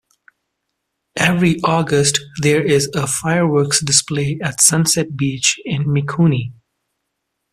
Every August there is a fireworks display at Sunset Beach in Mikuni.